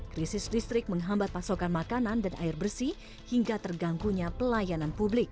krisis listrik menghambat pasokan makanan dan air bersih hingga terganggunya pelayanan publik